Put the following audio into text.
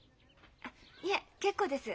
あっいえ結構です。